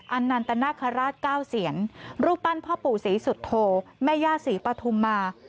อันนันตนาคาราช๙เสียนรูปปั้นพ่อปู่ศรีสุโธแม่ย่าศรีปฐุมมา